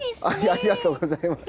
ありがとうございます。